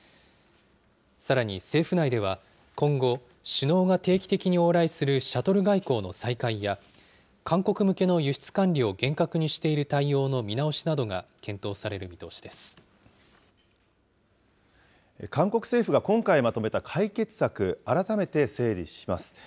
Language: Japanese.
さらに、政府内では今後、首脳が定期的に往来するシャトル外交の再開や、韓国向けの輸出管理を厳格にしている対応の見直しなどが検討され韓国政府が今回まとめた解決策、改めて整理します。